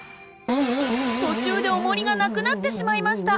途中でおもりがなくなってしまいました。